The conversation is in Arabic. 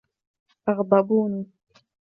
أغضبوني.